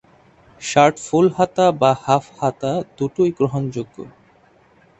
Shirt full হাতা বা half হাতা দুটোই গ্রহণযোগ্য।